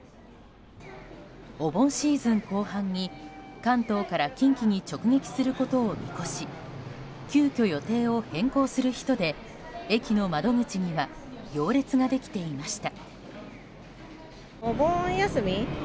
お盆シーズン後半に関東から近畿に直撃することを見越し急きょ予定を変更する人で駅の窓口には行列ができていました。